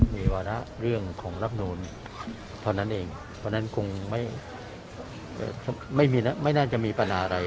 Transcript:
มีวาระเรื่องของรับหนูนตอนนั้นเองตอนนั้นคงไม่น่าจะมีปัญหาอะไร